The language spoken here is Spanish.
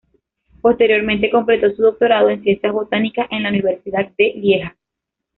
Posteriormente completó su doctorado en Ciencias Botánicas en la Universidad de Lieja.